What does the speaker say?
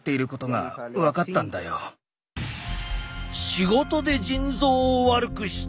仕事で腎臓を悪くした！？